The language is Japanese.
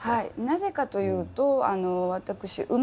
なぜかというと私がんで。